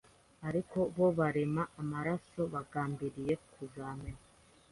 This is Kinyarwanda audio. Ariko bo barema amaraso bagambiriye Kuzamena